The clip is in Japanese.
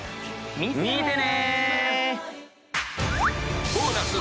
見てね。